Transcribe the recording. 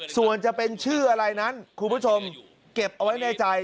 ส่วนจะเป็นชื่ออะไรนั้นคุณผู้ชมเก็บเอาไว้ในใจ